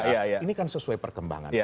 ini kan sesuai perkembangan